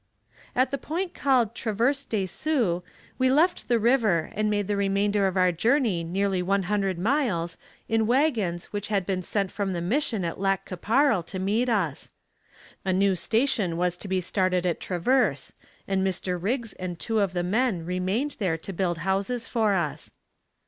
At the point called Traverse de Sioux we left the river and made the remainder of our journey nearly one hundred miles in wagons which had been sent from the mission at Lac qui Parle to meet us. A new station was to be started at Traverse and Mr. Riggs and two of the men remained there to build houses for us.